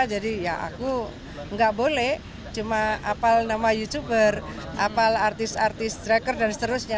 jadi ya aku nggak boleh cuma apal nama youtuber apal artis artis draker dan seterusnya